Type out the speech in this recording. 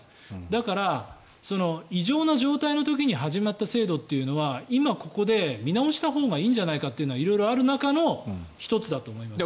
だから、異常な状態の時に始まった制度というのは今、ここで見直したほうがいいんじゃないかという色々ある中の１つだと思います。